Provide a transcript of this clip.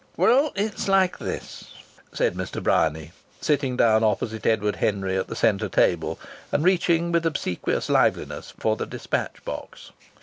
"Well, it's like this," said Mr.. Bryany, sitting down opposite Edward Henry at the centre table, and reaching with obsequious liveliness for the dispatch box.